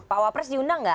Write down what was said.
pak wapers diundang gak